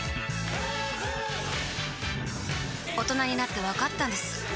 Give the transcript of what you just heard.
大人になってわかったんです